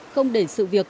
không để sự việc